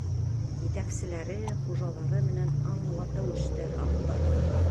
Етәкселәре, хужалары менән аңлатыу эштәре алып барабыҙ.